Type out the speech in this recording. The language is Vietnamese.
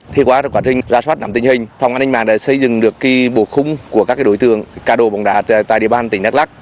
thì qua quá trình ra soát nằm tình hình phòng an ninh mạng đã xây dựng được bộ khung của các đối tượng cả đồ bóng đá tại đẹp bàn tỉnh đắk lắc